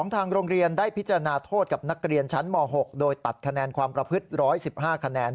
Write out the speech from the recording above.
ทางโรงเรียนได้พิจารณาโทษกับนักเรียนชั้นม๖โดยตัดคะแนนความประพฤติ๑๑๕คะแนน